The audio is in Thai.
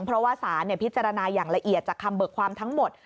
เพราะว่าสารพิจารณาอย่างละเอียดจากคำเบิกความทั้งหมด